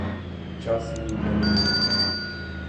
Час мій не минув.